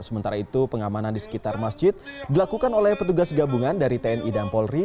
sementara itu pengamanan di sekitar masjid dilakukan oleh petugas gabungan dari tni dan polri